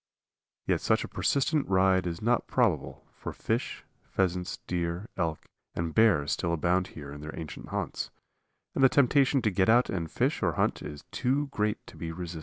Yet such a persistent ride is not probable, for fish, pheasants, deer, elk, and bear still abound here in their ancient haunts, and the temptation to get out and fish or hunt is too great to be resisted.